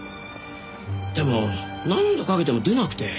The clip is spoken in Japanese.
でも何度かけても出なくて。